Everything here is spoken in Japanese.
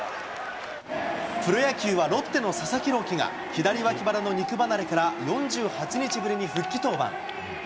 プロ野球はロッテの佐々木朗希が、左脇腹の肉離れから４８日ぶりに復帰登板。